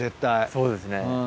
そうですね。